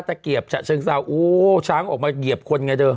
ถ้าเกียบชะเชิงเศร้าฉ้างออกมาเกียบคนไงเธอ